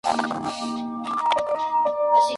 El condado recibe su nombre en honor al Lago Mono.